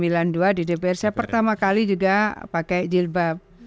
lalu sembilan puluh dua di dpr saya pertama kali juga pakai jilbab